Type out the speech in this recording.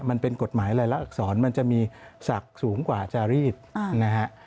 มันเป็นกฎหมายรายละอักษรมันจะมีศักดิ์สูงกว่าจารีดนะฮะ